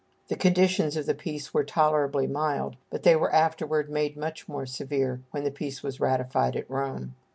The conditions of the peace were tolerably mild, but they were afterward made much more severe when the peace was ratified at Rome.